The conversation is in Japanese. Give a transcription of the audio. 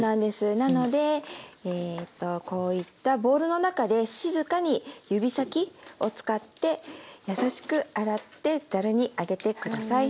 なのでこういったボウルの中で静かに指先を使って優しく洗ってざるに上げて下さい。